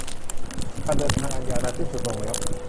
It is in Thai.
การเดินทางอันยาวนานสิ้นสุดลงแล้ว